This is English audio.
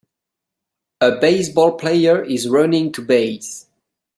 A baseball player is running to base.